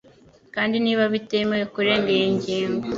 Kandi niba bitemewe kurenga iyi ngingo